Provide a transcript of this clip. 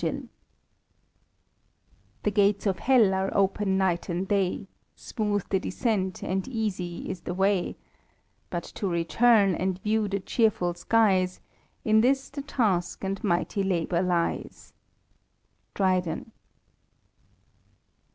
'* The gates of Hell are open night and day ; Smooth the descent, and easy is the way ; But to return, and view the cheerful skies, In this the task and mighty labour lies." Dryden.